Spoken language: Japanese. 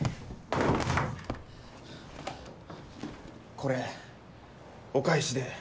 これお返しで。